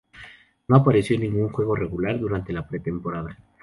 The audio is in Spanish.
No apareció en ningún juego regular durante la pretemporada.